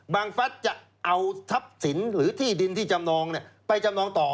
ฟัฐจะเอาทรัพย์สินหรือที่ดินที่จำนองไปจำนองต่อ